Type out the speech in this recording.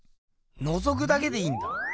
のぞくだけでいいんだ。